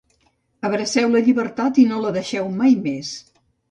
Abraceu la llibertat i no la deixeu mai més.